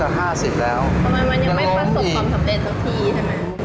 ทำไมมันยังไม่ประสบความสำเร็จสักทีใช่ไหม